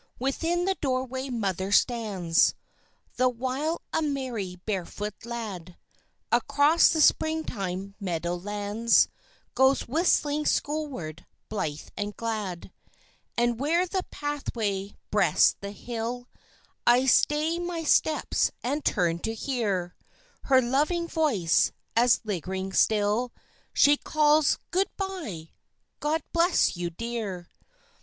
Within the doorway Mother stands, The while a merry barefoot lad, Across the springtime meadow lands Goes whistling schoolward, blithe and glad; And where the pathway breasts the hill, I stay my steps and turn to hear Her loving voice, as lingering still, She calls, "Good bye! God bless you, dear."